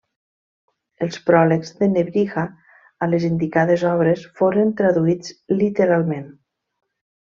Els pròlegs de Nebrija a les indicades obres foren traduïts literalment.